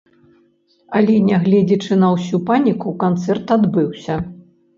Але, нягледзячы на ўсю паніку, канцэрт адбыўся.